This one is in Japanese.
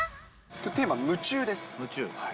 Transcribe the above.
きょう、テーマ、夢中です。